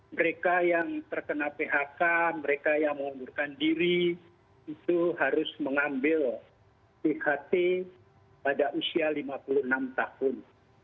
mereka yang terkena phk mereka yang mengundurkan diri itu harus mengambil pht pada usia lima puluh enam tahun